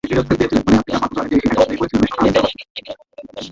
দুশ্চরিত্র লোকের একেবারেই প্রবেশ নিষেধ।